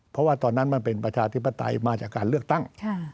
เพราะว่าตอนนั้นมันเป็นประชาธิปไตยมาจากการเลือกตั้ง